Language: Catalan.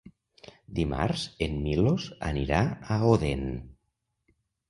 Dimarts en Milos anirà a Odèn.